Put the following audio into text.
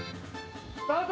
スタート！